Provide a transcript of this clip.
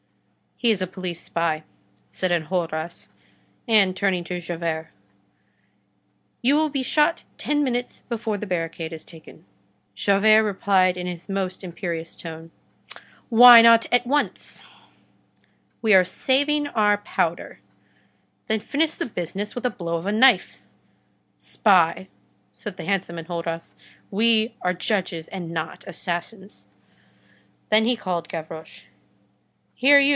"He is a police spy," said Enjolras. And turning to Javert: "You will be shot ten minutes before the barricade is taken." Javert replied in his most imperious tone:— "Why not at once?" "We are saving our powder." "Then finish the business with a blow from a knife." "Spy," said the handsome Enjolras, "we are judges and not assassins." Then he called Gavroche:— "Here you!